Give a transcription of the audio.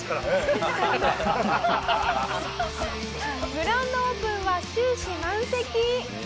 「グランドオープンは終始満席！」